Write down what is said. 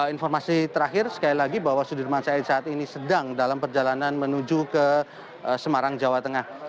informasi terakhir sekali lagi bahwa sudirman said saat ini sedang dalam perjalanan menuju ke semarang jawa tengah